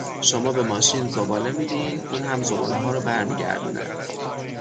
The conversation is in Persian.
شما به ماشین زباله میدین، اون هم زبالهها رو برمیگردونه!